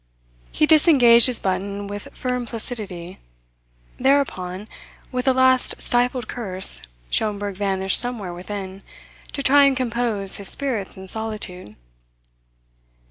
He disengaged his button with firm placidity. Thereupon, with a last stifled curse, Schomberg vanished somewhere within, to try and compose his spirits in solitude.